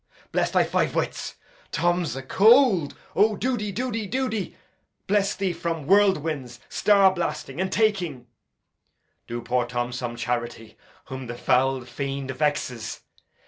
Bless thy five wits! Tom 's acold. O, do de, do de, do de. Bless thee from whirlwinds, star blasting, and taking! Do poor Tom some charity, whom the foul fiend vexes.